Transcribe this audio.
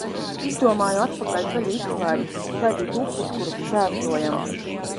Izdomāju atpakaļceļa izklaidi – skaitīt upes, kuras šķērsojam.